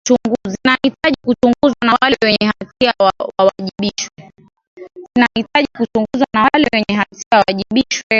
zinahitaji kuchunguzwa na wale wenye hatia wawajibishwe